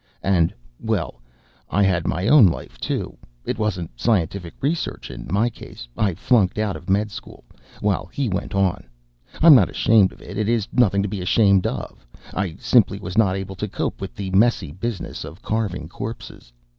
And well, I had my own life, too. It wasn't scientific research in my case I flunked out of med school, while he went on. I'm not ashamed of it; it is nothing to be ashamed of. I simply was not able to cope with the messy business of carving corpses.